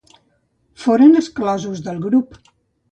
Foren exclosos del grup.